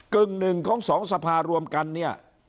กึ่งหนึ่งของสองสภารวมกันเนี่ย